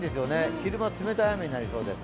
昼間は冷たい雨になりそうです。